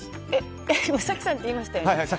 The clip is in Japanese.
早紀さんって言いましたよね。